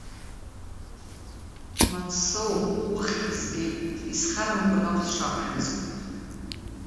Мансоу, уххь згеит, исхарамкәан ауп сшақәшәаз!